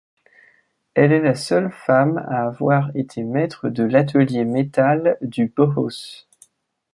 Elle est la seule femme à avoir été maître de l'atelier métal du Bauhaus.